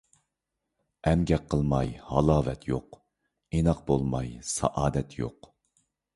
ئەمگەك قىلماي ھالاۋەت يوق، ئىناق بولماي سائادەت يوق.